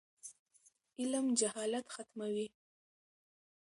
علم جهالت ختموي.